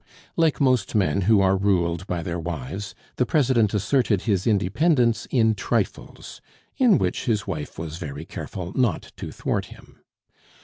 Like most men who are ruled by their wives, the President asserted his independence in trifles, in which his wife was very careful not to thwart him.